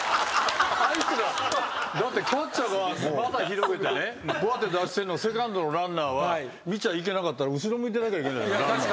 だってキャッチャーが股広げてねばーって出してんのセカンドのランナーは見ちゃいけなかったら後ろ向いてなきゃいけない。